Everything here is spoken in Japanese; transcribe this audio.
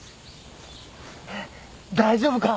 大丈夫か？